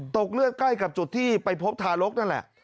เลือดใกล้กับจุดที่ไปพบทารกนั่นแหละ